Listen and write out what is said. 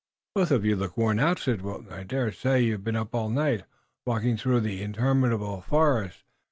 "Both of you look worn out," said Wilton. "I dare say you've been up all night, walking through the interminable forest.